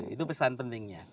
itu pesan pentingnya